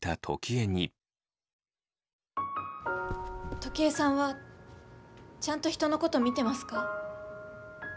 時枝さんはちゃんと人のこと見てますか？